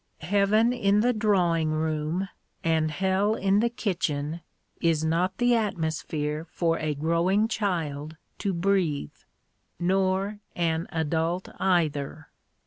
Heaven in the drawing room and hell in the kitchen is not the atmosphere for a growing child to breathe nor an adult either.